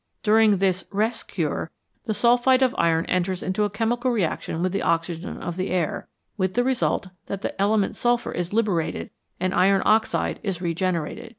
During this*' rest cure " the sulphide of iron enters into a chemical reaction with the oxygen of the air, with the result that the element sulphur is liberated and iron oxide is re generated.